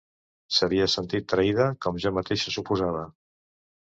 S'havia sentit traïda, com jo mateixa, suposava.